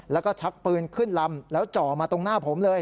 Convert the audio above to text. แล้วก็ชักปืนขึ้นลำแล้วจ่อมาตรงหน้าผมเลย